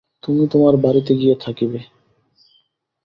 তুমি তোমার বাড়িতে গিয়া থাকিবে।